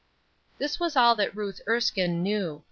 That was all that Ruth Erskine knew.